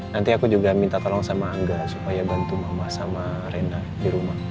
nanti aku juga minta tolong sama angga supaya bantu mama sama renda di rumah